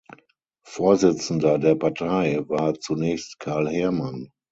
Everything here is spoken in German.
Vorsitzender der Partei war zunächst Carl Herrmann.